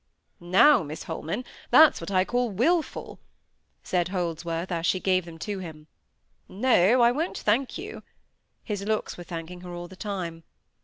"Now, Miss Holman, that's what I call wilful," said Holdsworth, as she gave them to him. "No, I won't thank you" (his looks were thanking her all the time).